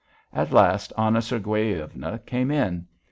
At last Anna Sergueyevna came in.